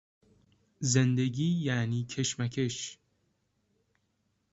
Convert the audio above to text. زندگی یعنی کشمکش